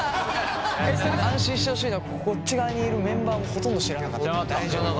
安心してほしいのはこっち側にいるメンバーもほとんど知らなかったから大丈夫。